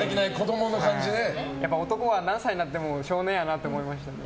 男は何歳になっても少年やなって思いましたね。